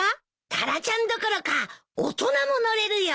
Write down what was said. タラちゃんどころか大人も乗れるよ。